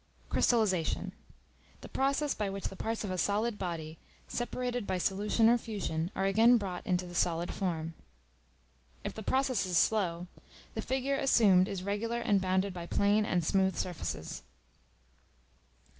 Crystallization, the process by which the parts of a solid body, separated by solution or fusion, are again brought into the solid form. If the process is slow, the figure assumed is regular and bounded by plane and smooth surfaces.